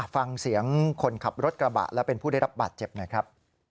ฟังเสียงคนขับรถกระบะและเป็นผู้ได้รับบาดเจ็บหน่อยครับ